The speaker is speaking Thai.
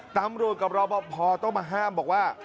ตำรวจกับรอปภต้องมาห้ามบอกว่า